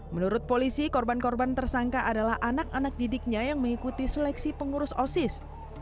menurut polisi korban korban tersangka adalah anak anak didiknya yang mengikuti seleksi pengurus osis